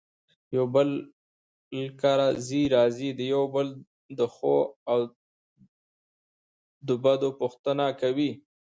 يو له بل کره ځي راځي يو د بل دښو او دو پوښنته کوي.